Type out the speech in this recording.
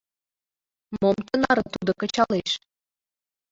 Мом тынаре тудо кычалеш?»